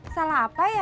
salah apa ya